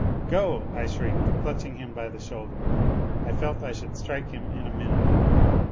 " Go !" I shrieked, clutching him by the shoulder. I felt I should strike him in a minute.